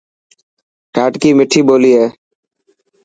ڌاٽڪي مٺي ٻولي هي.